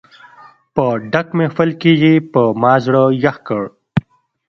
په ډک محفل کې یې په ما زړه یخ کړ.